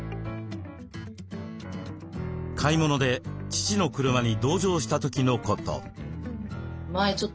買い物で父の車に同乗した時のこと。